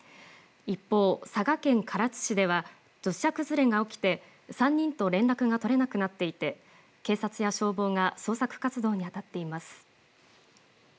一方、佐賀県唐津市では土砂崩れが起きて３人と連絡が取れなくなっていて警察や消防が捜索活動にあたっています。